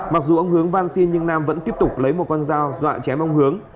mặc dù ông hướng văn xin nhưng nam vẫn tiếp tục lấy một con dao dọa chém ông hướng